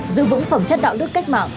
giữ vững phẩm chất đạo đức cách mạng